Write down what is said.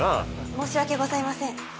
申し訳ございません。